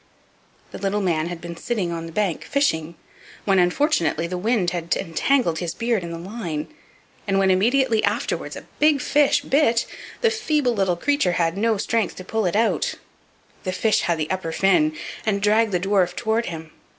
The little man had been sitting on the bank fishing, when unfortunately the wind had entangled his beard in the line; and when immediately afterward a big fish bit, the feeble little creature had no strength to pull it out; the fish had the upper fin, and dragged the dwarf toward him.